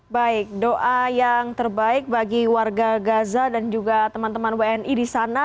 baik doa yang terbaik bagi warga gaza dan juga teman teman wni di sana